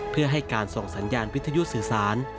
เพื่อให้การส่งสัญญาณวิทยุสื่อสาร